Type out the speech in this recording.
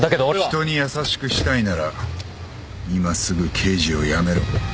人に優しくしたいなら今すぐ刑事を辞めろ。